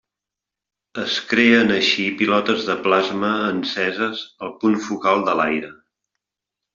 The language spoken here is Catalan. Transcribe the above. Es creen així pilotes de plasma enceses al punt focal de l'aire.